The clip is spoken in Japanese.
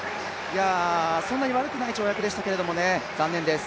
そんなに悪くない跳躍でしたけれども、残念です。